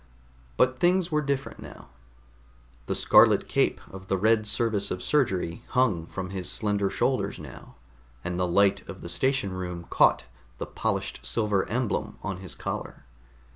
But things were different now. The scarlet cape of the Red Service of Surgery hung from his slender shoulders now, and the light of the station room caught the polished silver emblem on his collar.